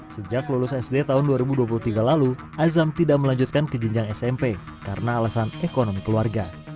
sejak lulus sd tahun dua ribu dua puluh tiga lalu azam tidak melanjutkan ke jenjang smp karena alasan ekonomi keluarga